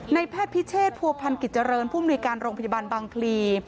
ในแพทย์พิเศษผัวพันธ์กิจเจริญผู้บริการโรงพยาบาลบางที